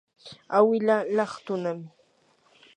awilaa laqtunami.